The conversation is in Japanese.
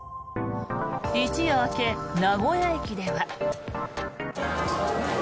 一夜明け、名古屋駅では。